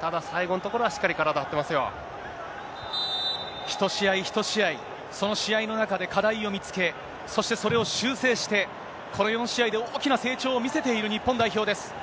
ただ、最後のところはしっかり体一試合一試合、その試合の中で課題を見つけ、そしてそれを修正して、この４試合で大きな成長を見せている、日本代表です。